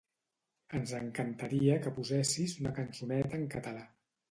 Ens encantaria que posessis una cançoneta en català.